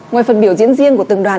ngoài phần biểu diễn riêng của từng đoàn